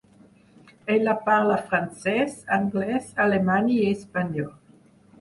Ella parla francès, anglès, alemany i espanyol.